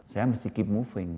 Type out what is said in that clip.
saya mesti keep moving